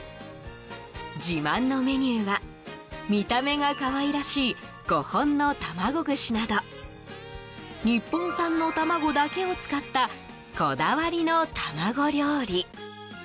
自慢のメニューは、見た目が可愛らしい５本のたまご串など日本産の卵だけを使ったこだわりの卵料理。